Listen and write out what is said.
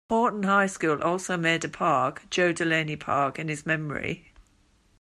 Haughton High School also made a park, Joe Delaney Park, in his memory.